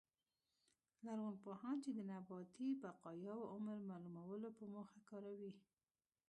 لرغونپوهان یې د نباتي بقایاوو عمر معلومولو په موخه کاروي